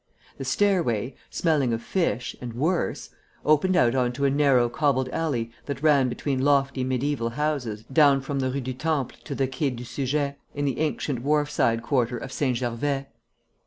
The stairway, smelling of fish and worse, opened out on to a narrow cobbled alley that ran between lofty mediæval houses down from the Rue du Temple to the Quai du Seujet, in the ancient wharfside quarter of Saint Gervais.